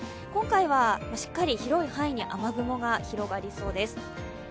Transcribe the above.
今回はしっかり広い範囲に雨雲が広がりそうです。